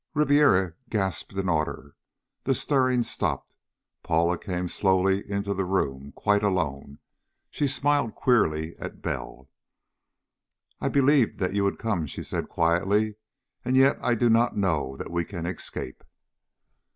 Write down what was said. Ribiera gasped an order. The stirrings stopped. Paula came slowly into the room quite alone. She smiled queerly at Bell. "I believed that you would come," she said quietly. "And yet I do not know that we can escape."